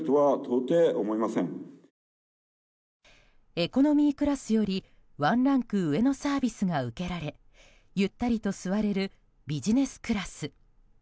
エコノミークラスよりワンランク上のサービスが受けられ、ゆったりと座れるビジネスクラス。